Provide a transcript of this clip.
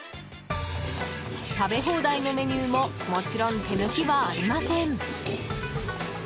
食べ放題のメニューももちろん手抜きはありません。